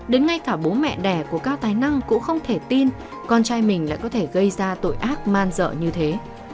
đến ngay cả bố mẹ đẻ của cao tài năng cũng không thể tin con trai mình lại có thể gây ra tội ác man dợ như thế